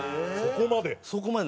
そこまで？